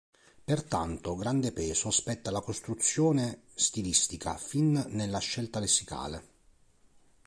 Pertanto, grande peso spetta alla costruzione stilistica, fin nella scelta lessicale.